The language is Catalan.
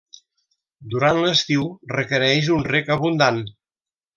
Durant l'estiu, requereix un reg abundant.